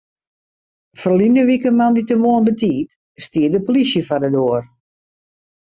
Ferline wike moandeitemoarn betiid stie de polysje foar de doar.